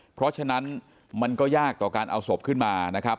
เพราะฉะนั้นมันก็ยากต่อการเอาศพขึ้นมานะครับ